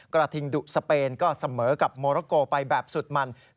กระทิงดุสเปนก็เสมอกับโมรโกไปแบบสุดมัน